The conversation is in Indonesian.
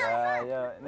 senang dapat tablet ya